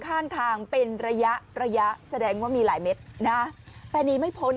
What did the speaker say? ข้างทางเป็นระยะระยะแสดงว่ามีหลายเม็ดนะแต่หนีไม่พ้น